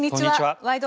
「ワイド！